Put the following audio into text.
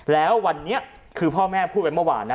แล้ววันนี้คือพ่อแม่พูดไว้เมื่อวานนะ